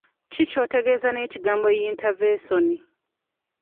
Ki ky'otegeeza n'ekigambo yintavensoni?